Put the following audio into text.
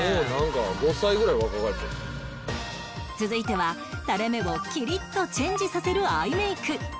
続いてはタレ目をキリッとチェンジさせるアイメイク